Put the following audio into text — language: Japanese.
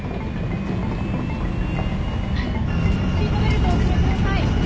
シートベルトをお締めください。